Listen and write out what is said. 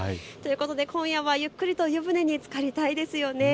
今夜はゆっくりと湯船につかりたいですよね。